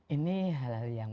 ini hal hal yang